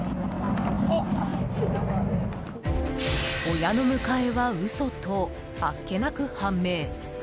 親の迎えは嘘とあっけなく判明。